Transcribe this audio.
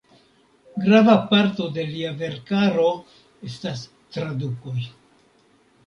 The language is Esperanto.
Grava parto de lia verkaro estas tradukoj.